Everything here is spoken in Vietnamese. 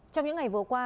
trong những ngày vừa qua